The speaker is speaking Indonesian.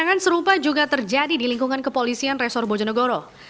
dan serupa juga terjadi di lingkungan kepolisian resor bojonegoro